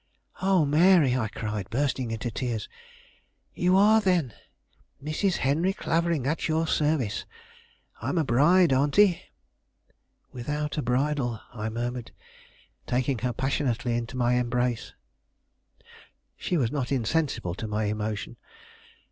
"Oh, Mary!" I cried, bursting into tears; "you are then " "Mrs. Henry Clavering, at your service. I'm a bride, Auntie." "Without a bridal," I murmured, taking her passionately into my embrace. She was not insensible to my emotion.